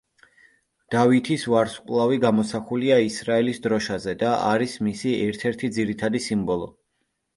დავითის ვარსკვლავი გამოსახულია ისრაელის დროშაზე და არის მისი ერთ-ერთი ძირითადი სიმბოლო.